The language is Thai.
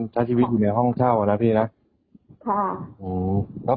ถ้าเฟ้นพี่ทำงานอะไรครับ